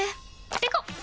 ペコ！